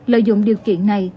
lợi dụng điều kiện này